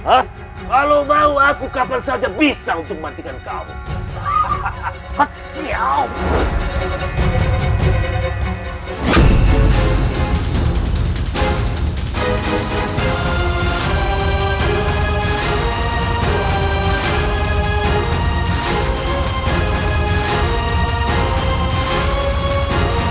ah kalau mau aku kapan saja bisa untuk membatikan kau hahaha